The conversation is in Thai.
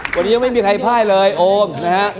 วันนี้ยังไม่มีใครพ่ายเลยโอมนะฮะ